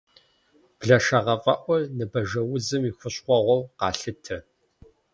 Блэшэгъэфӏэӏур ныбажэузым и хущхъуэгъуэу къалъытэ.